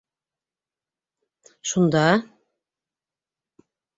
Шунда...